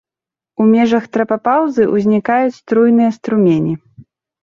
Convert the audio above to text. У межах трапапаўзы ўзнікаюць струйныя струмені.